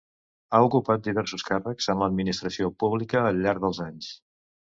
Ha ocupat diversos càrrecs en l'administració pública al llarg dels anys.